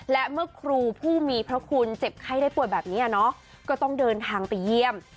และเมื่อครูผู้มีพระคุณเจ็บไข้ได้ป่วยแบบนี้ก็ต้องเดินทางไปเยี่ยม